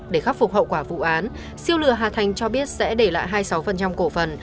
để khắc phục hậu quả vụ án siêu lừa hà thành cho biết sẽ để lại hai mươi sáu cổ phần